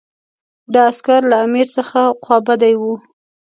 دا عسکر له امیر څخه خوابدي وو.